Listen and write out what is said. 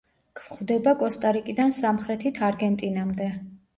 გვხვდება კოსტა-რიკიდან სამხრეთით არგენტინამდე.